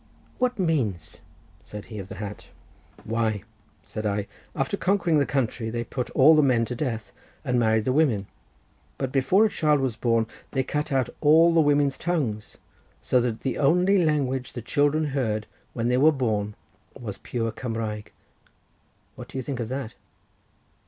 "What means?" said he of the hat. "Why," said I, "after conquering the country they put all the men to death, and married the women, but before a child was born they cut out all the women's tongues, so that the only language the children heard when they were born was pure Cumraeg. What do you think of that?"